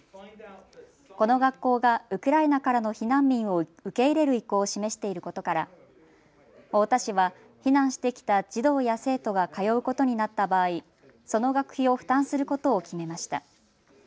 この学校がウクライナからの避難民を受け入れる意向を示していることから太田市は避難してきた児童や生徒が通うことになった場合、その学費を負担することを決めました。